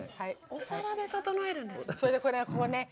お皿で整えるんですね。